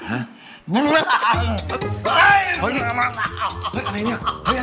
เฮ้ยอะไรเนี่ย